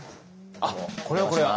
あっこれはこれは。